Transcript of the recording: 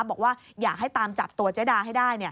บอกว่าอยากให้ตามจับตัวเจ๊ดาให้ได้